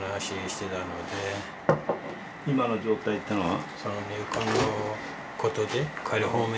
今の状態っていうのは？